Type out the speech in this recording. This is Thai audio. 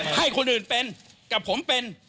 ให้คนอื่นเป็นกับผมเป็น